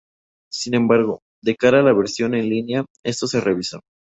Sin embargo, de cara a la versión en línea, esto se revisó.